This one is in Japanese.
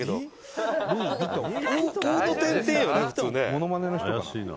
ものまねの人かな？